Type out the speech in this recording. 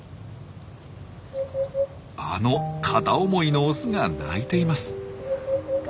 あの片思いのオスが鳴いています。